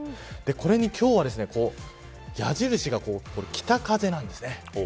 これに今日は矢印が北風なんですね。